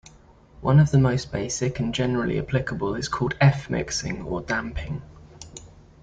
One of the most basic and generally applicable is called "F-mixing" or damping.